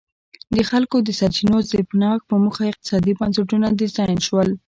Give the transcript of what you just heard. د خلکو د سرچینو زبېښاک په موخه اقتصادي بنسټونه ډیزاین شول.